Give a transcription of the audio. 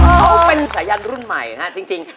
เขาเป็นสายันรุ่นใหม่ฮะจริง